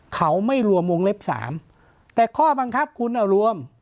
เขาไม่รวมวงเล็บสามแต่ข้อบังคับคุณเอารวม